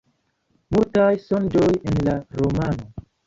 Multaj sonĝoj en la romano.